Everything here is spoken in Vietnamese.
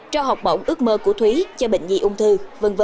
cho học bổng ước mơ của thúy cho bệnh nhi ung thư v v